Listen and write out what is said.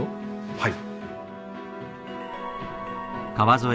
はい。